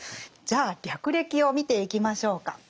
じゃあ略歴を見ていきましょうか。